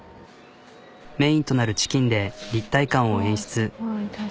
メインとなるチキンで立体感を演出。